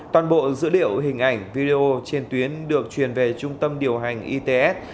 toàn bộ dữ liệu hình ảnh video trên tuyến được truyền về trung tâm điều hành its